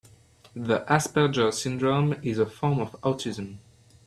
The Asperger syndrome is a form of autism.